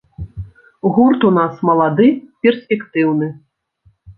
Гурт у нас малады, перспектыўны.